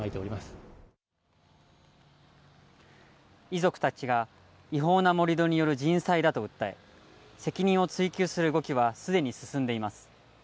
遺族たちが違法な盛り土による人災だと訴え、責任を追及する動きは既に進んでいます。